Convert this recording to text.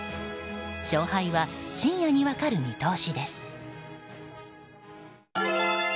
勝敗は深夜に分かる見通しです。